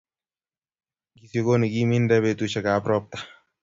ng'isiokoni kiminde betusiekab ropta